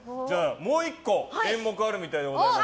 もう１個演目があるみたいでございます。